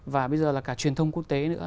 và bây giờ là cả truyền thông quốc tế nữa